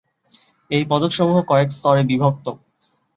এই পদক সমূহ কয়েক স্তরে বিভক্ত।